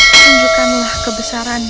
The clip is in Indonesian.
tunjukkanlah kebesaran ini